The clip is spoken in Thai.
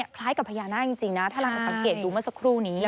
คล้ายกับพญานาคจริงนะถ้าเราสังเกตดูเมื่อสักครู่นี้